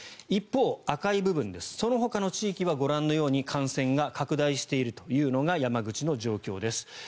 一方、赤い部分そのほかの地域はご覧のように感染が拡大しているというのが山口の状況です。